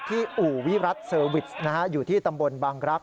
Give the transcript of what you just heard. ที่อู่วิรัตน์เซอร์วิสอยู่ที่ตำบลบางรับ